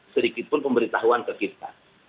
sedikitpun pemberitahuan ke kita